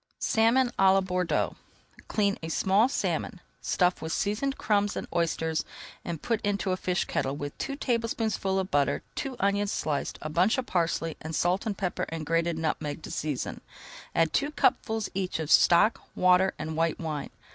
SALMON À LA BORDEAUX Clean a small salmon, stuff with seasoned crumbs and oysters, and put into a fish kettle with two tablespoonfuls of butter, two onions sliced, a bunch of parsley, and salt, pepper, and grated nutmeg to season. Add two cupfuls each of stock, water, and white wine.